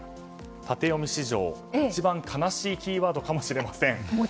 タテヨミ史上、一番悲しいキーワードかもしれません。